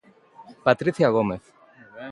Patricia Gómez.